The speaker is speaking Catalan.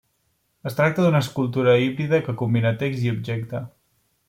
Es tracta d'una escultura híbrida que combina text i objecte.